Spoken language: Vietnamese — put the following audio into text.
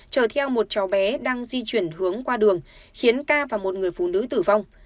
chở theo một cháu bé đang di chuyển hướng qua đường khiến ca và một người phụ nữ tử vong